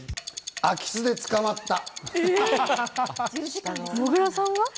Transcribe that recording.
空き巣で捕まった。